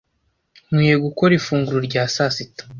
Nkwiye gukora ifunguro rya sasita.